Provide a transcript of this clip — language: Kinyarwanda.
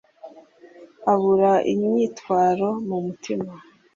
abura inyitwaro mu mutima